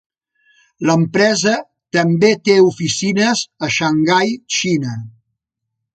L'empresa també té oficines a Shanghai, Xina.